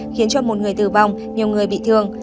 khiến một người tử vong nhiều người bị thương